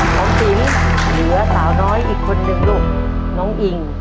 ของติ๋มเหลือสาวน้อยอีกคนนึงลูกน้องอิง